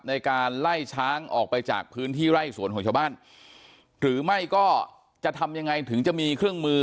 ในการไล่ช้างออกไปจากพื้นที่ไร่สวนของชาวบ้านหรือไม่ก็จะทำยังไงถึงจะมีเครื่องมือ